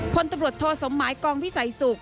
พลตำรวจโทสมหมายกองวิสัยสุข